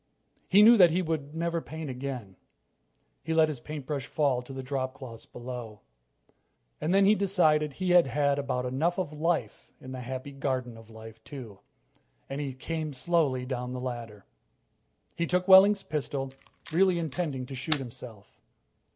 He knew that he would never paint again. He let his paintbrush fall to the dropcloths below. And then he decided he had had about enough of life in the Happy Garden of Life, too, and he came slowly down from the ladder. He took Wehling's pistol, really intending to shoot himself.